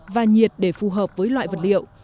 và nhiệt để phù hợp với loại vật liệu